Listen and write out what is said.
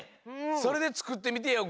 それでつくってみてよ